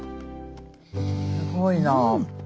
すごいな。